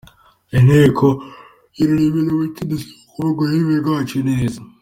Inteko y'ururimi n'umuco idusaba kuvuga ururimi rwacu neza.